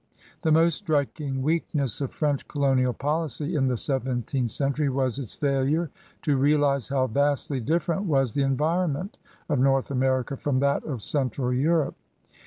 The most striking weakness of French colonial policy in the seventeenth century was its f ailiu*e to realize how vastly different was the environ ment of North America from that of Central Europe.